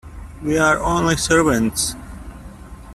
We are only servants.